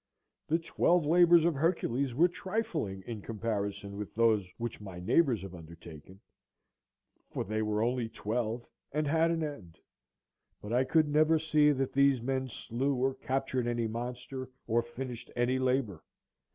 The twelve labors of Hercules were trifling in comparison with those which my neighbors have undertaken; for they were only twelve, and had an end; but I could never see that these men slew or captured any monster or finished any labor.